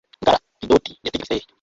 muka lapidoti, yategekaga israheli